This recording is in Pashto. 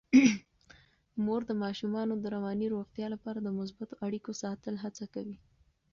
مور د ماشومانو د رواني روغتیا لپاره د مثبتو اړیکو ساتلو هڅه کوي.